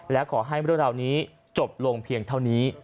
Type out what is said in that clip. และขอให้เรื่องราวนี้จบลงเพียงเท่านี้